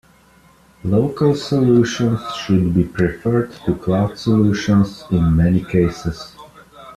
Local solutions should be preferred to cloud solutions in many cases.